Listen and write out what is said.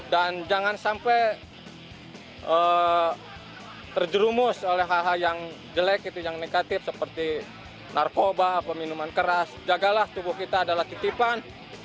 dan jangan sampai terjerumus oleh hal hal yang jelek yang negatif seperti narkoba peminuman keras jagalah tubuh kita adalah titipan